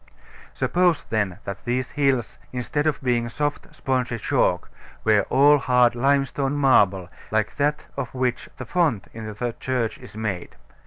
Suppose, then, that these hills, instead of being soft, spongy chalk, were all hard limestone marble, like that of which the font in the church is made.